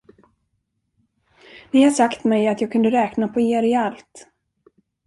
Ni har sagt mig, att jag kunde räkna på er i allt.